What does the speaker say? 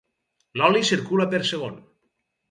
L'oli circula per segon.